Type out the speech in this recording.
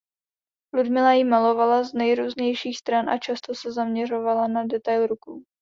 Ludmila jí malovala z nejrůznějších stran a často se zaměřovala na detail rukou.